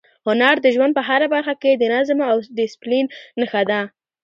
هنر د ژوند په هره برخه کې د نظم او ډیسپلین نښه ده.